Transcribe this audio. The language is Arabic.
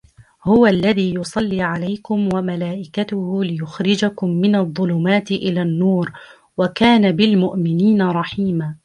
هو الذي يصلي عليكم وملائكته ليخرجكم من الظلمات إلى النور وكان بالمؤمنين رحيما